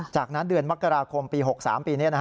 จากนั้นเดือนมกราคมปี๖๓ปีนี้